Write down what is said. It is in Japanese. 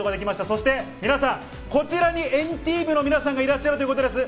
そして皆さん、こちらに＆ＴＥＡＭの皆さんがいらっしゃるということです。